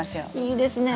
いいですね。